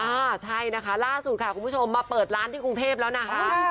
อ่าใช่นะคะล่าสุดค่ะคุณผู้ชมมาเปิดร้านที่กรุงเทพแล้วนะคะ